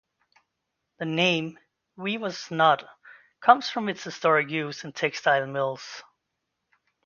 The name "weaver's knot" comes from its historic use in textile mills.